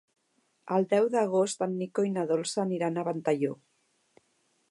El deu d'agost en Nico i na Dolça aniran a Ventalló.